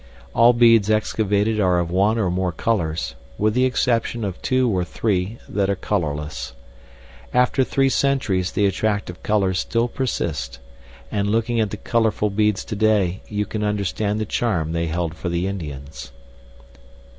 All beads excavated are of one or more colors, with the exception of 2 or 3 that are colorless. After three centuries the attractive colors still persist; and looking at the colorful beads today you can understand the charm they held for the Indians.